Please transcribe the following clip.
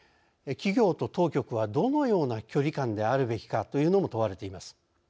企業と当局はどのような距離感であるべきかというのも問われています。